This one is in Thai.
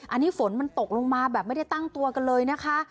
อันนี้ฝนมันตกลงมาแบบไม่ได้ตั้งตัวกันเลยนะคะ